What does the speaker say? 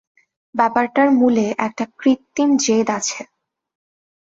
ব্যাপারটার মূলে একটা কৃত্রিম জেদ আছে।